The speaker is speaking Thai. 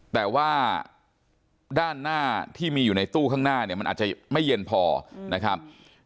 แต่ว่าด้านหน้าที่มีอยู่ในตู้ข้างหน้าเนี่ยมันอาจจะไม่เย็นพอนะครับ